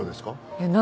えっ何？